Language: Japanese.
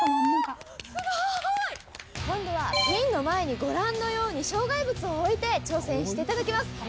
すごい！今度はピンの前にご覧のように障害物を置いて挑戦していただきま